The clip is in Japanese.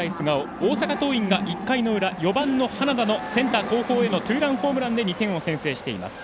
大阪桐蔭が１回の裏４番の花田のセンター後方へのツーランホームランで２点を先制しています。